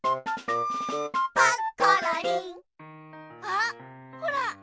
あっほら！